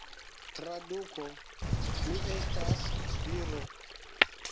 Traduko: Mi estas viro.